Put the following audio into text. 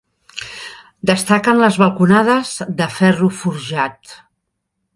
Destaquen les balconades de ferro forjat.